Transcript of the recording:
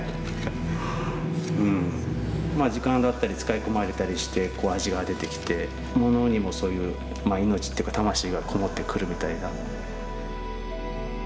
時間だったり使い込まれたりして味が出てきて物にもそういう命っていうか魂がこもってくるみたいな。